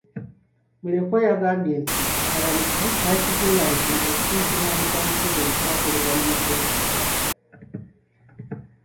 Mulekwa yagambye nti, abalamuzi baakizuula nti okunsunsulamu kwa Museveni kwakolebwa mu mateeka.